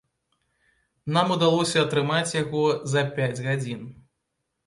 Нам удалося атрымаць яго за пяць гадзін.